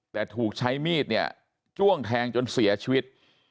แต่ถูกใช้มีดเนี่ยจ้วงแทงจนเสียชีวิต